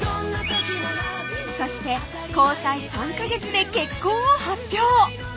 そして交際３カ月で結婚を発表